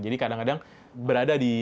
jadi kadang kadang berada di